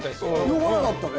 呼ばなかったべ？